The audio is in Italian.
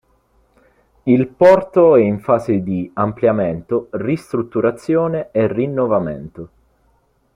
Il porto è in fase di ampliamento, ristrutturazione e rinnovamento.